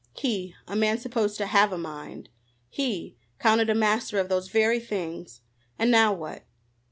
He a man supposed to have a mind! He counted a master of those very things! And now, what?